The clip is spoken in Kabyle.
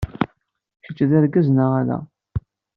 Kečč d argaz, neɣ ala?